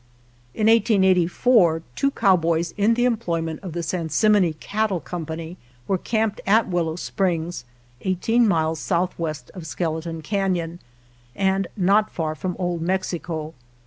In 1884 two cowboys in the employment of the Sansimone Cattle Company were camped at Willow Springs, eighteen miles southwest of Skeleton Canon, and not far from Old Mexico.